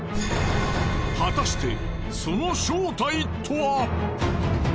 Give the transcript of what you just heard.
果たしてその正体とは。